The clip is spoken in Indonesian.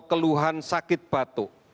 atau keluhan sakit batuk